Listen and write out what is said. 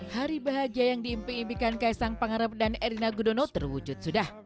hari bahagia yang diimpi impikan kaisang pangarap dan erina gudono terwujud sudah